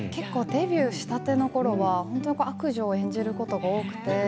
デビューしたてのころは悪女を演じることが多くて。